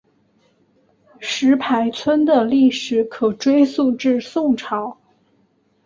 石牌村的历史可追溯至宋朝。